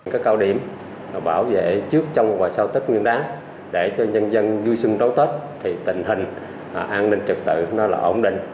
các cao điểm bảo vệ trước trong và sau tết nguyên đáng để cho nhân dân vui xuân đón tết thì tình hình an ninh trật tự nó là ổn định